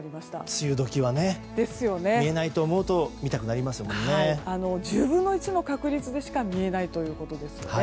梅雨時は見えないと思うと１０分の１の確率でしか見えないということですね。